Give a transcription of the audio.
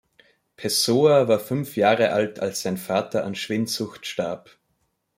Pessoa war fünf Jahre alt, als sein Vater an Schwindsucht starb.